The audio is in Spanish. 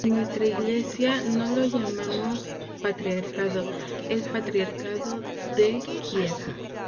En nuestra Iglesia no lo llamamos Patriarcado el "Patriarcado de Kiev".